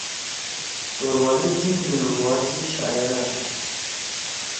توروالی جیِب می ڙوا سی شاعر آشُو۔